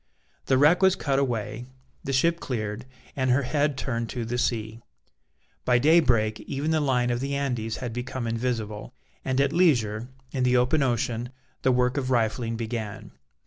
The wreck was cut away, the ship cleared, and her head turned to the sea; by daybreak even the line of the Andes had become invisible, and at leisure, in the open ocean, the work of rifling began.